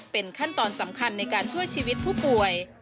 เป็นขั้นตอนสำคัญในการช่วยชีวิตผู้ป่วย